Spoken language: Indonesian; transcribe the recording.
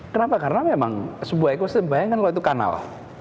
kenapa karena memang sebuah ekosistem bayangkan kalau itu kanal